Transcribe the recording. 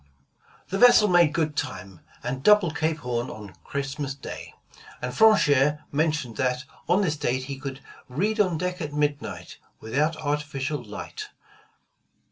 The vessel made good time, and doubled Cape Horn on Christmas Day, and Franchere mentions that on this date he could ''read on deck at midnight, without artificial light."